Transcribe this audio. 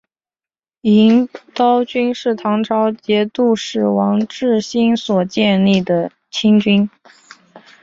银刀军是唐朝节度使王智兴所建立的亲军。